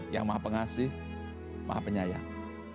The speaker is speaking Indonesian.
yang maha pengasih maha penyayang